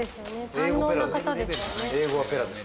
堪能な方ですよね。